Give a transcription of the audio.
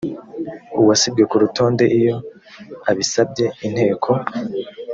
uwasibwe ku rutonde iyo abisabye inteko